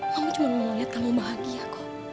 mama cuma mau lihat kamu bahagia ko